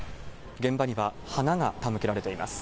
現場には花が手向けられています。